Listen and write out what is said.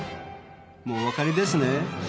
もうお分かりですね。